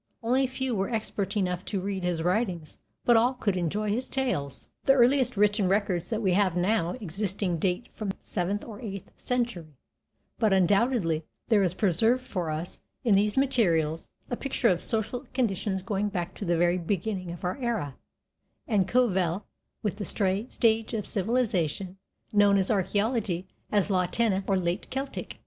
Only a few were expert enough to read his writings, but all could enjoy his tales. The earliest written records that we have now existing date from the seventh or eighth century; but undoubtedly there is preserved for us, in these materials, a picture of social conditions going back to the very beginning of our era, and coeval with the stage of civilization known in archaeology as La Tène or "Late Celtic".